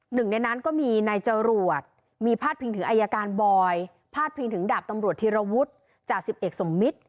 หนึ่งในนั้นก็มีนายจรวดมีพาดพิงถึงอายการบอยพาดพิงถึงดาบตำรวจธีรวุฒิจ่าสิบเอกสมมิตร